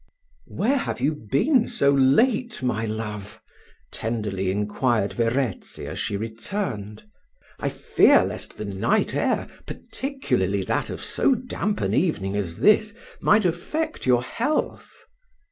"Where have you been so late, my love?" tenderly inquired Verezzi as she returned. "I fear lest the night air, particularly that of so damp an evening as this, might affect your health."